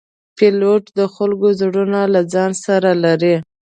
پیلوټ د خلکو زړونه له ځان سره لري.